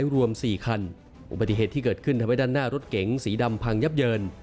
รถเก๋งสีดำพังยับเดิน